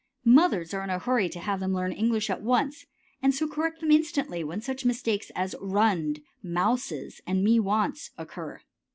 Mothers are in a hurry to have them learn English at once, and so correct them instantly when such mistakes as "runned," "mouses," and "me wants" occur.